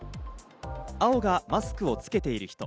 青がマスクをつけている人。